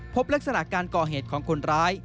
พบลักษณะการก่อเหตุของคนร้าย